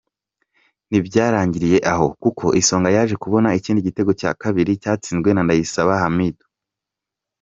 Ntibyarangiriye aho kuko Isonga yaje kubona ikindi gitego cya kabiri cyatsinzwe na Ndayisaba Hamidu.